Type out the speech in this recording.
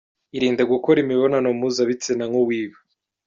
Irinde gukora imibonano mpuza bitsina nk ’uwiba.